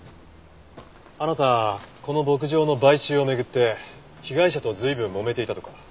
あなたこの牧場の買収を巡って被害者と随分もめていたとか。